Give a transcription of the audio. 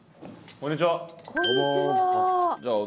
こんにちは。